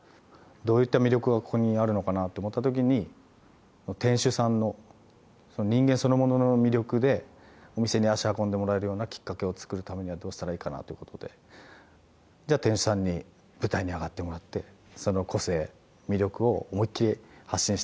どういった魅力がここにあるのかなって思ったときに店主さんの人間そのものの魅力でお店に足を運んでもらえるようなきっかけを作るためにはどうしたらいいかなということでじゃあ店主さんに舞台に上がってもらってその個性魅力を思いっきり発信してもらおうと。